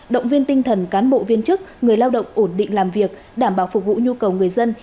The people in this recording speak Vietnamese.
động viên tinh thần cán bộ viên chức người lao động ổn định làm việc đảm bảo phục vụ nhu cầu người dân